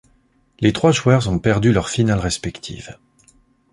Les trois joueurs ont perdu leurs finales respectives.